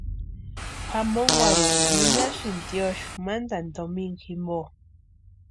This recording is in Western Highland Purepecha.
Pʼamonkwarhini ninhasïnti tiosïo mantani domingu jimpo.